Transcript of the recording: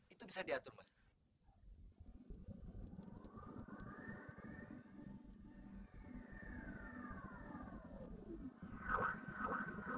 itu bisa diatur